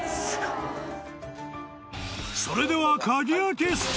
［それでは］